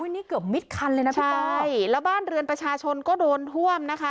นี่เกือบมิดคันเลยนะพี่ก้อยแล้วบ้านเรือนประชาชนก็โดนท่วมนะคะ